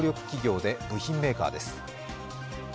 企業で、部品メーカーです。